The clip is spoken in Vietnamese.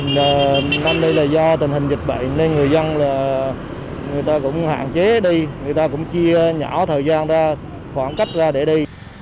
năm nay là do tình hình dịch bệnh nên người dân là người ta cũng hạn chế đi người ta cũng chia nhỏ thời gian ra khoảng cách ra để đi